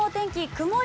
曇り